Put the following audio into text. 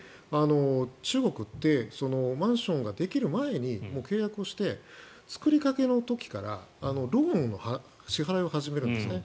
中国ってマンションができる前に契約をして、作りかけの時からローンの支払いを始めるんですね。